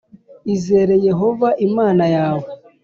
Izere Yehova Imana yawe